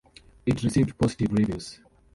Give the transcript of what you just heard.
It received positive reviews.